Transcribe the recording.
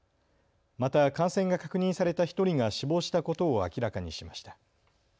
また感染が確認された１人が死亡したことを明らかにしました。